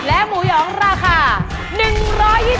และของหมูหย๋องราคา๑๒๕บาท